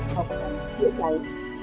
học tránh giữa cháy